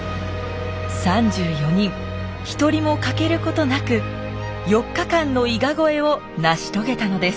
３４人一人も欠けることなく４日間の伊賀越えを成し遂げたのです